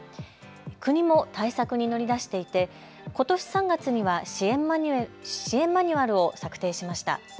国も対策に乗り出していてことし３月には支援マニュアルを策定しました。